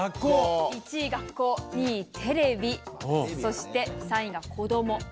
１位「学校」２位「テレビ」そして３位が「子ども」。